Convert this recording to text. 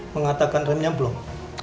mengatakan remnya blong